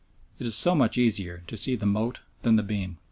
It is so much easier to see the mote than the beam!